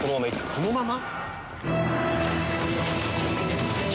このまま！？